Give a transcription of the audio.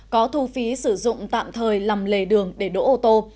có thu phí sử dụng tạm thời làm lề đường để đỗ ô tô